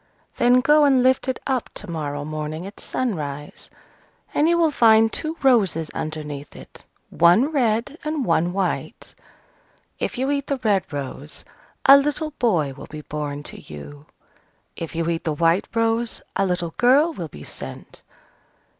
Then go and lift it up to morrow morning at sunrise, and you will find two roses underneath it, one red and one white. If you eat the red rose, a little boy will be born to you: if you eat the white rose, a little girl will be sent.